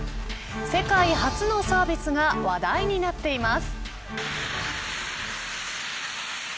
世界初のサービスが話題になっています。